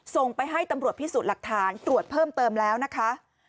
ส่งไปให้ตำรวจพิสูจน์หลักฐานตรวจเพิ่มเติมแล้วนะคะ